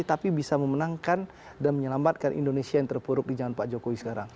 tapi bisa memenangkan dan menyelamatkan indonesia yang terpuruk di zaman pak jokowi sekarang